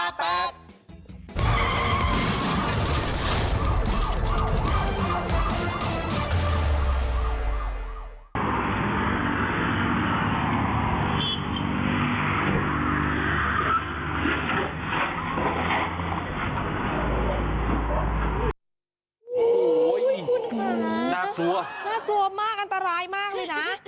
อุ้ยคุณค่ะน่ากลัวน่ากลัวมากอันตรายมากเลยนะ